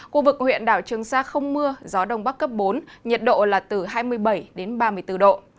khu vực huyện đảo trường sa không mưa gió đông bắc cấp bốn nhiệt độ là từ hai mươi bảy đến ba mươi bốn độ